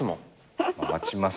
待ちますよ。